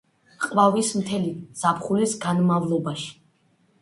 ყვავის მთელი ზაფხულის განმავლობაში.